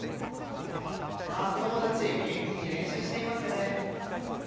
子供たち元気に練習していますね。